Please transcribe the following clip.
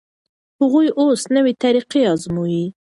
هغوی اوس نوې طریقه ازمويي.